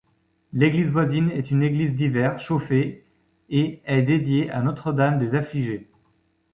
L'église voisine est une église d'hiver chauffée et est dédiée à Notre-Dame-des-affligés.